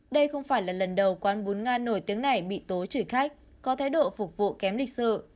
đây không phải là lần đầu quán bún nga nổi tiếng này bị tố chửi khách có thái độ phục vụ kém lịch sự